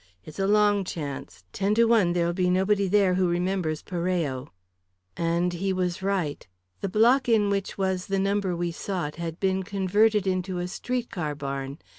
It's a long chance. Ten to one, there'll be nobody there who remembers Parello." And he was right. The block in which was the number we sought had been converted into a street car barn.